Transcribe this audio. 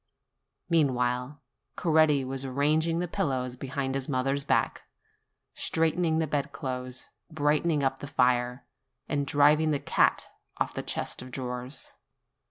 Meanwhile, Coretti was arranging the pillows be hind his mother's back, straightening the bed clothes, MY FRIEND CORETTI 37 brightening up the fire, and driving the cat off the chest of drawers.